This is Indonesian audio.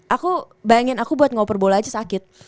aku bayangin aku buat ngoper bola aja sakit